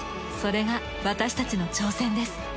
それが私たちの挑戦です。